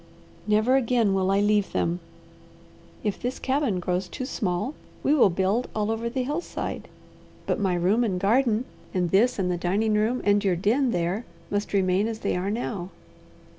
Never again will I leave them. If this cabin grows too small, we will build all over the hillside; but my room and garden and this and the dining room and your den there must remain as they are now."